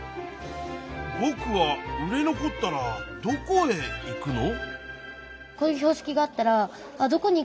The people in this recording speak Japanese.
「ぼくは売れ残ったらどこへ行くの」。